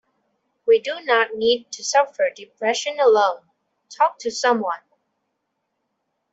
We do not need to suffer depression alone, talk to someone.